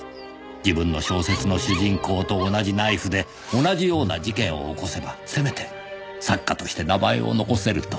自分の小説の主人公と同じナイフで同じような事件を起こせばせめて作家として名前を残せると